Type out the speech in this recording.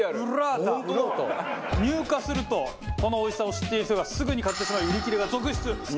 入荷するとこの美味しさを知っている人がすぐに買ってしまい売り切れが続出！